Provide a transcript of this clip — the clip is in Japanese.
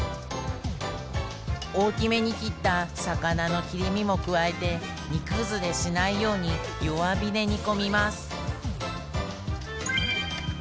大きめに切った魚の切り身も加えて煮崩れしないように弱火で煮込みます